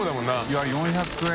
いやぁ４００円。